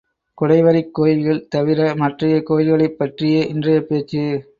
குடைவரைக் கோயில்கள் தவிர மற்றைய கோயில்களைப் பற்றியே இன்றைய பேச்சு.